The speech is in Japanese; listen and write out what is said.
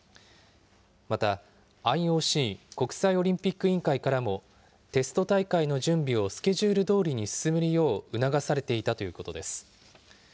また、ＩＯＣ・国際オリンピック委員会からも、テスト大会の準備をスケジュールどおりに進めるよう促されていたということです。